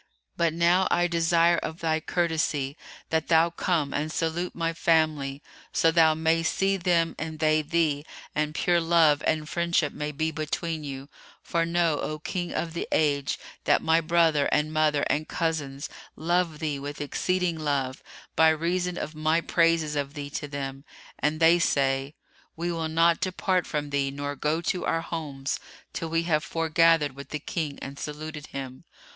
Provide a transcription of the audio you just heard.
But now I desire of thy courtesy that thou come and salute my family, so thou mayst see them and they thee and pure love and friendship may be between you; for know, O King of the Age, that my brother and mother and cousins love thee with exceeding love, by reason of my praises of thee to them, and they say, 'We will not depart from thee nor go to our homes till we have foregathered with the King and saluted him.